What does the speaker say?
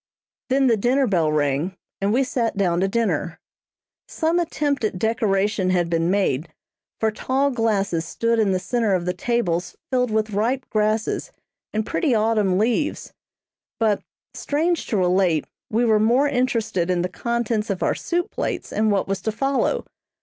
Then the dinner bell rang, and we sat down to dinner. Some attempt at decoration had been made, for tall glasses stood in the centre of the tables filled with ripe grasses and pretty autumn leaves, but, strange to relate, we were more interested in the contents of our soup plates and what was to follow.